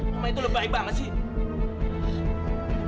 mama itu lebih baik banget sih